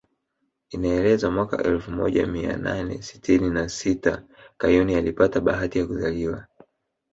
Inaelezwa mwaka elfu moja mia nane sitini na sita Kayuni alipata bahati ya kuzaliwa